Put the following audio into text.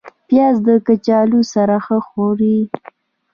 پیاز د کچالو سره ښه خوري